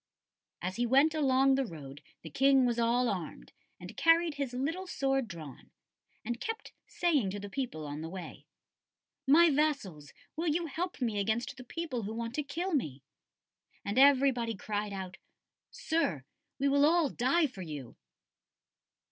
"As he went along the road the King was all armed, and carried his little sword drawn, and kept saying to the people on the way: "'My vassals, will you help me against the people who want to kill me?' "And everybody cried out, 'Sir, we will all die for you.